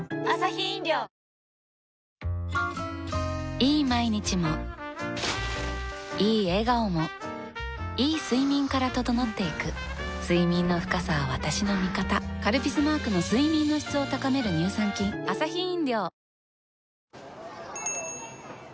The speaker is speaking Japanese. いい毎日もいい笑顔もいい睡眠から整っていく睡眠の深さは私の味方「カルピス」マークの睡眠の質を高める乳酸菌はい！